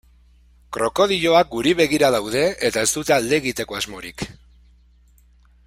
Krokodiloak guri begira daude eta ez dute alde egiteko asmorik.